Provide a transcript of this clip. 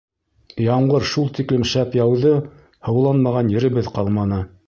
Ямғыр шул тиклем шәп яуҙы, һыуланмаған еребеҙ ҡалманы.